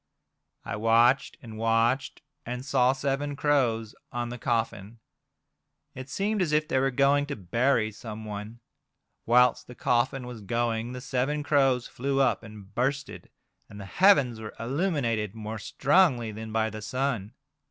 I watched and watched, and saw seven crows on the coffin. It seemed as if they were going to bury someone. Whilst the coffin was going the seven crows flew up and bursted, and the heavens were illuminated more strongly than by the sun.